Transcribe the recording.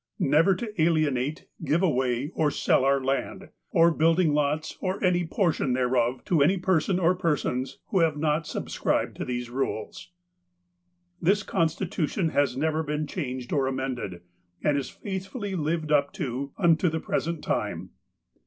Never to alienate, give away, or sell our land, or build ing lots, or any portion thereof, to any person or persons who have not subscribed to these rules." This coDstitutiou has never been changed or amended, and is faithfully lived up to unto the present time.